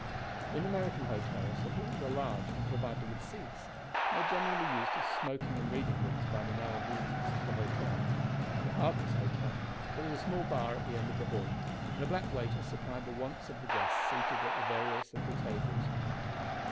In American hotels the halls are large and provided with seats, and are generally used as smoking and reading rooms by the male visitors to the hotel. At Harker's Hotel there was a small bar at the end of the hall, and a black waiter supplied the wants of the guests seated at the various little tables.